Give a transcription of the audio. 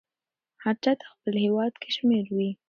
هر چاته خپل هیواد کشمیر وې.